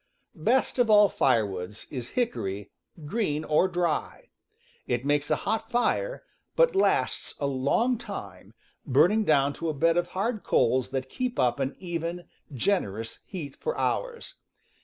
Best of all firewoods is hickory, green or dry. It makes a hot fire, but lasts a long time, burning down ^, T^ to a bed of hard coals that keep up an p even, generous heat for hours.